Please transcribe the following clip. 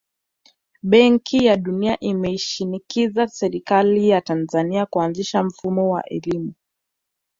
Benki ya dunia imeishinikiza serikali ya Tanzania kuanzisha mfumo wa elimu